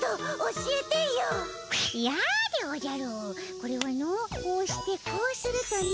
これはのこうしてこうするとの。